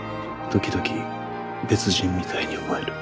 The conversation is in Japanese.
時々別人みたいに思える。